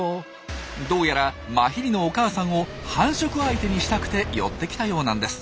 どうやらマヒリのお母さんを繁殖相手にしたくて寄ってきたようなんです。